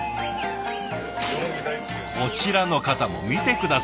こちらの方も見て下さい！